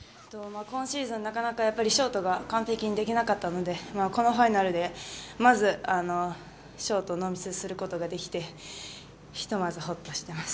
今シーズンなかなかショートが完璧にできなかったのでこのファイナルでまずショートノーミスすることができてひとまずほっとしています。